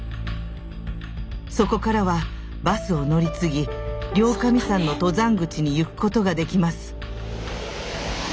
そこからはバスを乗り継ぎ両神山の登山口に行くことができます。